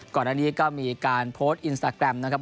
ก่อนอันนี้ก็มีการโพสต์อินสตาแกรมนะครับ